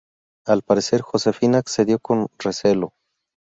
Al parecer, Josefina accedió con recelo.